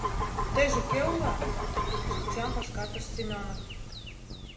— Тыйже кӧ улат? — шинчам пашкартыш Семёнов.